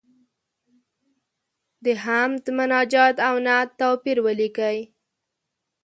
د حمد، مناجات او نعت توپیر ولیکئ.